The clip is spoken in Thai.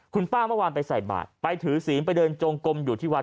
คุณป้าเมื่อวานไปใส่บาทไปถือศีลไปเดินจงกลมอยู่ที่วัด